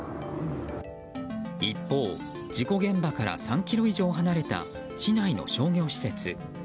一方、事故現場から３ｋｍ以上離れた市内の商業施設。